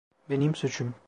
Benim suçum.